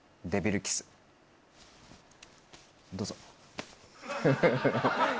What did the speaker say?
どうぞ。